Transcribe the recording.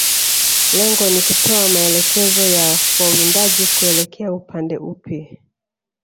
Lengo ni kutoa maelekezo ya wawindaji kuelekea upande upi